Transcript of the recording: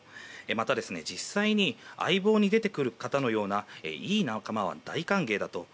また、実際に「相棒」に出てくる方のようないい仲間は大歓迎だと。